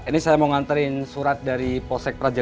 oh iya pak ini saya mau nganterin surat dari possek raja v